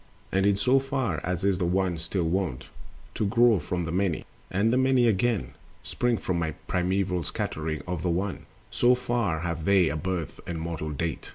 And in so far as is the One still wont To grow from the Many, and the Many, again, Spring from primeval scattering of the One, So far have they a birth and mortal date.